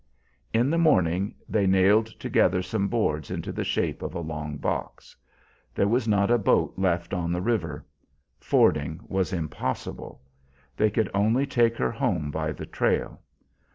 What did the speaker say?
In the morning they nailed together some boards into the shape of a long box. There was not a boat left on the river; fording was impossible. They could only take her home by the trail.